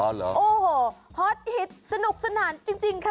อ๋อเหรอโอ้โหฮอตฮิตสนุกสนานจริงค่ะ